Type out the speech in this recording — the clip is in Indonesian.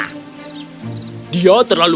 dia terlalu berani untuk menjual sapi ini